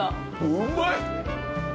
うまい。